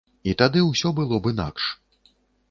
І тады ўсё было б інакш.